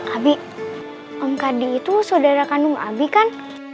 abi om kadi itu saudara kandung abi kan